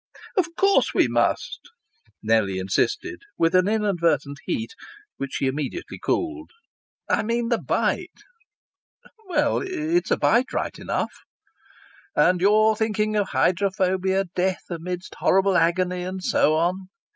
"Of course we must," Nellie insisted, with an inadvertent heat, which she immediately cooled. "I mean the bite." "Well it's a bite right enough." "And you're thinking of hydrophobia, death amid horrible agony, and so on."